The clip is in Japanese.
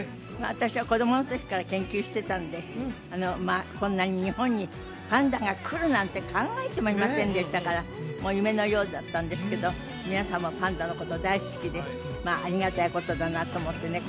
私は子供の時から研究してたんでまあこんなに日本にパンダが来るなんて考えてもいませんでしたから夢のようだったんですけど皆さんもパンダのこと大好きでありがたいことだなと思ってね